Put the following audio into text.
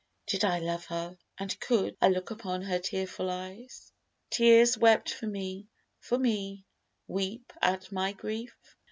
Did I love her, And could I look upon her tearful eyes? Tears wept for me; for me weep at my grief?